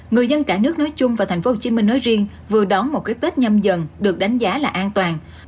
người dân cả nước nói chung và tp hcm nói riêng vừa đón một cái tết nhâm dần được đánh giá là an toàn